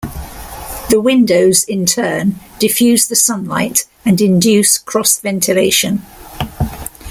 The windows, in turn, diffuse the sunlight and induce cross ventilation.